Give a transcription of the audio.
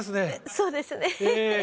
そうですね。